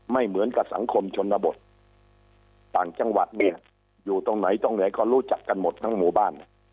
ไม่เหมือนกับสังคมชนบทต่างจังหวัดเนี่ยอยู่ตรงไหนตรงไหนก็รู้จักกันหมดทั้งหมู่บ้าน